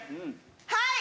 はい！